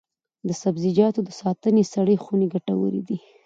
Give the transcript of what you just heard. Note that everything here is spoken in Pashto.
د سبزیجاتو د ساتنې سړې خونې ګټورې دي.